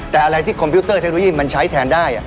แต่อะไรที่คอมพิวเตอร์เทคโนโลยีมันใช้แทนได้